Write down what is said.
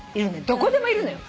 どこでもいるのよ。